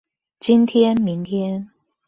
今天明天